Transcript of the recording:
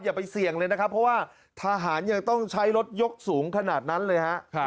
อย่าไปเสี่ยงเลยนะครับเพราะว่าทหารยังต้องใช้รถยกสูงขนาดนั้นเลยฮะ